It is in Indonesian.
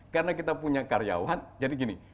karena kita punya karyawan jadi gini